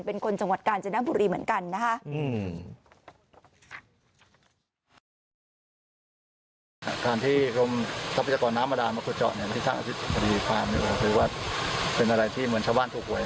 เป็นคนจังหวัดกาญจนบุรีเหมือนกันนะคะ